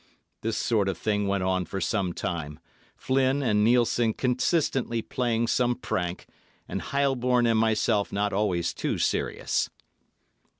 This sort of thing went on for some time, Flynn and Nielssen constantly playing some prank, and Heilborn and myself not always too serious.